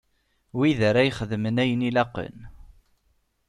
Wid ara ixedmen ayen ilaqen.